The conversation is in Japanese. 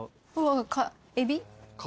エビ？